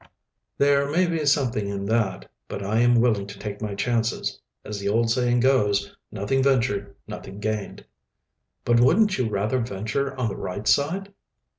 "There may be something in that. But I am willing to take my chances. As the old saying goes: 'Nothing ventured, nothing gained.'" "But wouldn't you rather venture on the right side?"